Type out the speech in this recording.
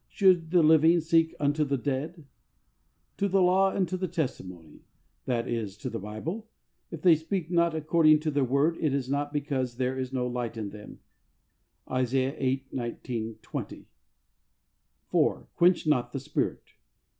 Should the living seek unto the dead ? To the law and to the testimony;" (that is to the Bible), " If they speak not according to their word, it is because there is no light in them " {Isaiah viii. 19, 20). (4.) " Quench not the Spirit.